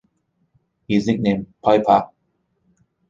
He is nicknamed "Pi Pa".